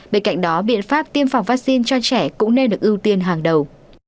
bên cạnh đó biện pháp tiêm phòng vaccine cho trẻ cũng nên được ưu tiên hàng đầu